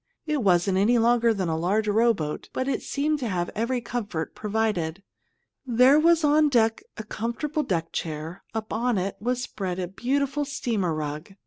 It wasn't any longer than a large rowboat, but it seemed to have every comfort provided. There was on deck a comfortable deck chair; upon it was spread a beautiful steamer rug.